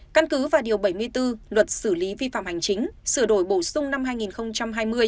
căn cứ vào điều bảy mươi bốn luật xử lý vi phạm hành chính sửa đổi bổ sung năm hai nghìn hai mươi